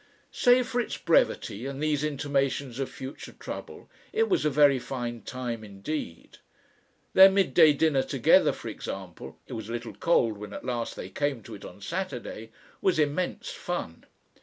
Save for its brevity and these intimations of future trouble it was a very fine time indeed. Their midday dinner together, for example it was a little cold when at last they came to it on Saturday was immense fun.